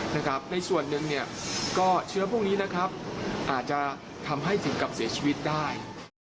ในส่วนหนึ่งก็เชื้อพวกนี้นะครับอาจจะทำให้ถึงกับเสียชีวิตได้